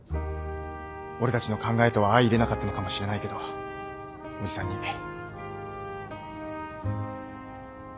俺たちの考えとは相いれなかったのかもしれないけど叔父さんに頼ってもらいたかった。